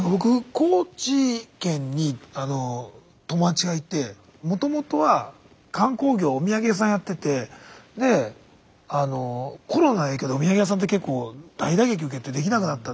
高知県にあの友達がいてもともとは観光業お土産屋さんやっててであのコロナの影響でお土産屋さんって結構大打撃を受けてできなくなった。